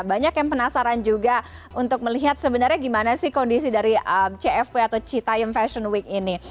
banyak yang penasaran juga untuk melihat sebenarnya gimana sih kondisi dari cfw atau citaiam fashion week ini